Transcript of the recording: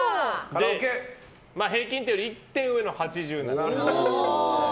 平均点より１点上の８７点。